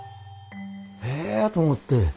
えと思って。